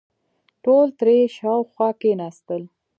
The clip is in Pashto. ټول ترې شاوخوا کېناستل.